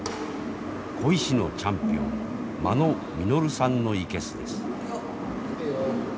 鯉師のチャンピオン間野実さんの生けすです。